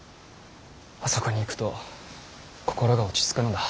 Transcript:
あそこに行くと心が落ち着くのだ。